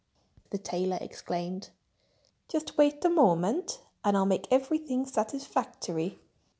the tailor exclaimed. "Just wait a moment and I'll make everything satisfactory."